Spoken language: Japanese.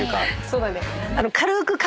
そうだね。